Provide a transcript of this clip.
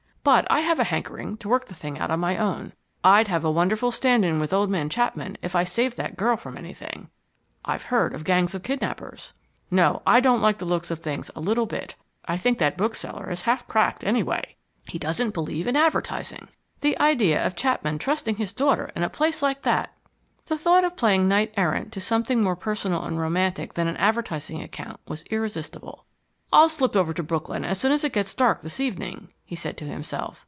But I have a hankering to work the thing out on my own. I'd have a wonderful stand in with old man Chapman if I saved that girl from anything. ... I've heard of gangs of kidnappers. ... No, I don't like the looks of things a little bit. I think that bookseller is half cracked, anyway. He doesn't believe in advertising! The idea of Chapman trusting his daughter in a place like that " The thought of playing knight errant to something more personal and romantic than an advertising account was irresistible. "I'll slip over to Brooklyn as soon as it gets dark this evening," he said to himself.